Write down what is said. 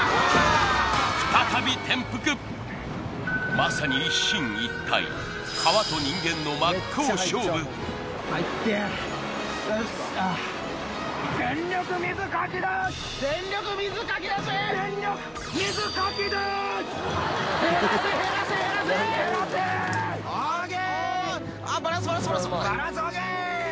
まさに一進一退川と人間の真っ向勝負ＯＫ！